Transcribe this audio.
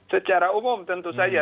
secara umum tentu saja